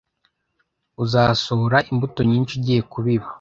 Uzasohora imbuto nyinshi ugiye kubiba,